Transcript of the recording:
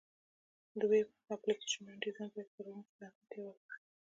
د ویب اپلیکیشنونو ډیزاین باید کارونکي ته اسانتیا ورکړي.